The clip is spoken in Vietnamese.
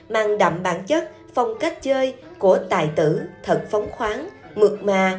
mang đậm bản chất phong cách chơi của tài tử thật phóng khoáng mực mà